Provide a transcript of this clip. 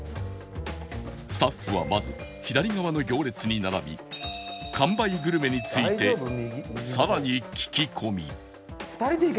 スタッフはまず左側の行列に並び完売グルメについてさらに聞き込み